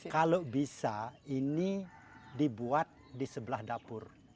kalau bisa ini dibuat di sebelah dapur